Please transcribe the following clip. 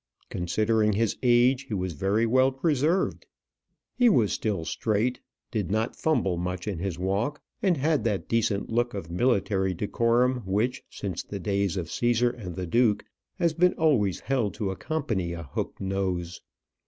Considering his age, he was very well preserved. He was still straight; did not fumble much in his walk; and had that decent look of military decorum which, since the days of Cæsar and the duke, has been always held to accompany a hook nose.